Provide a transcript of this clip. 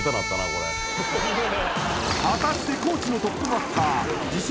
これ果たして高知のトップバッター自称